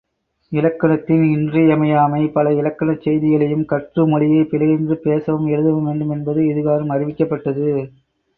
இலக்கணத்தின் இன்றியமையாமை பல இலக்கணச் செய்திகளையும் கற்று மொழியைப் பிழையின்றிப் பேசவும் எழுதவும் வேண்டும் என்பது இதுகாறும் அறிவிக்கப்பட்டது.